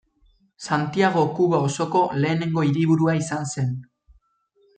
Santiago Kuba osoko lehenengo hiriburua izan zen.